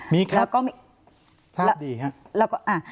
มีครับภาพดีครับ